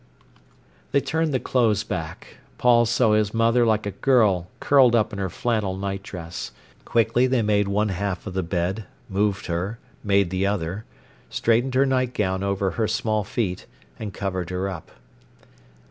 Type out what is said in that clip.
They turned the clothes back. Paul saw his mother like a girl curled up in her flannel nightdress. Quickly they made one half of the bed, moved her, made the other, straightened her nightgown over her small feet, and covered her up.